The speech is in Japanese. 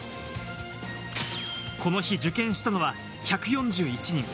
この日、受験したのは１４１人。